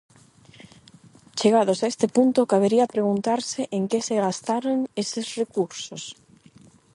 Chegados a este punto cabería preguntarse en que se gastaron eses recursos.